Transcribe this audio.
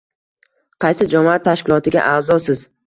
Qaysi jamoat tashkilotiga a’zosiz?